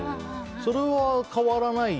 それは変わらない。